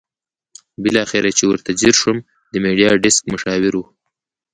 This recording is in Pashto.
بالاخره چې ورته ځېر شوم د میډیا ډیسک مشاور وو.